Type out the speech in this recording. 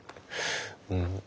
うん。